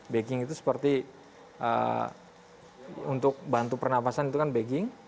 begging itu seperti untuk bantu pernafasan itu kan begging